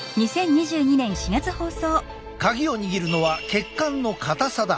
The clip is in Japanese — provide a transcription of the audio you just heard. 鍵を握るのは血管の硬さだ。